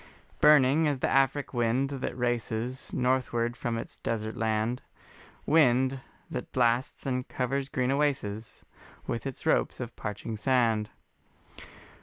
Burning as the Afric wind that races Northward from its desert land, Wind that blasts and covers green oases With its ropes of parching sand.